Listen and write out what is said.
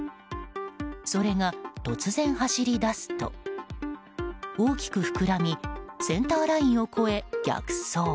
それが突然走り出すと大きく膨らみセンターラインを越え、逆走。